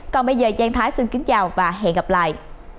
còn bây giờ trang thái xin kính chào và hẹn gặp lại